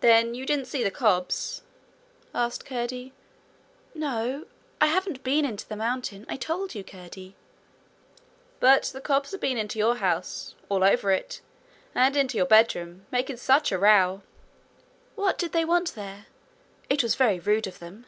'Then you didn't see the cobs?'asked Curdie. 'No; I haven't been into the mountain, I told you, Curdie.' 'But the cobs have been into your house all over it and into your bedroom, making such a row!' 'What did they want there? It was very rude of them.'